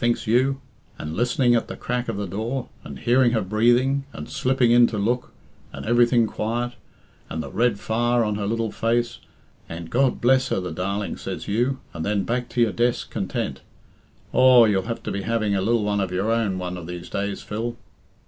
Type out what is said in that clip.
thinks you; and listening at the crack of the door, and hearing her breathing, and slipping in to look, and everything quiet, and the red fire on her lil face, and 'Grod bless her, the darling!' says you, and then back to your desk content. Aw, you'll have to be having a lil one of your own one of these days, Phil."